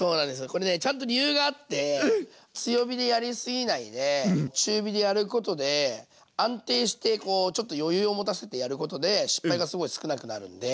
これねちゃんと理由があって強火でやりすぎないで中火でやることで安定してこうちょっと余裕を持たせてやることで失敗がすごい少なくなるんで。